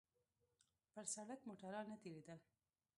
پر سړک موټران نه تېرېدل.